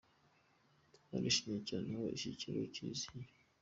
Twarishimye cyane aho iki kigo kiziye.